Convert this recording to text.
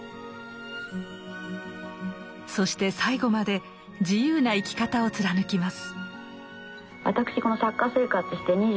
そして最後まで自由な生き方を貫きます。